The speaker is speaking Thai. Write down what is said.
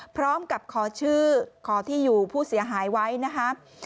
พร้อมกับขอชื่อขอที่อยู่ผู้เสียหายไว้นะครับ